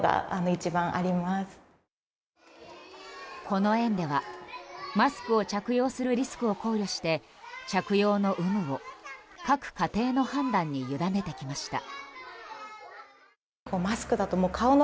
この園では、マスクを着用するリスクを考慮して着用の有無を各家庭の判断に委ねてきました。